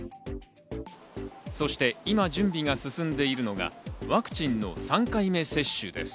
そして今準備が進んでいるのがワクチンの３回目接種です。